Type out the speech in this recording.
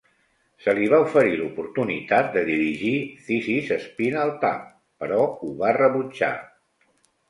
Se li va oferir l'oportunitat de dirigir "This is Spinal Tap", però ho va rebutjar.